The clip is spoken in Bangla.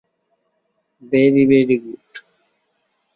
Very, very good.